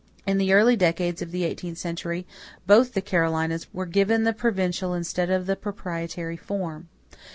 In the early decades of the eighteenth century both the Carolinas were given the provincial instead of the proprietary form.